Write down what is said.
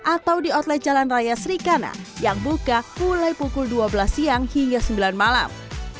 atau di outlet jalan raya serikana yang buka mulai pukul dua belas siang hingga sembilan malam